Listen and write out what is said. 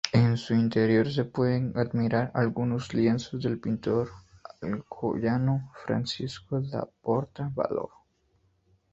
En su interior se pueden admirar algunos lienzos del pintor alcoyano Francisco Laporta Valor.